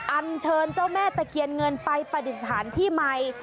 อัญเชิญเจ้าแม่ตะเคียนเงินไปประดิษฐานที่ไมค์